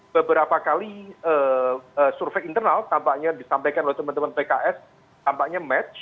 beberapa kali survei internal tampaknya disampaikan oleh teman teman pks tampaknya match